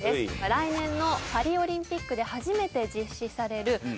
来年のパリオリンピックで初めて実施されるブレイク